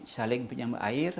saling penyambang air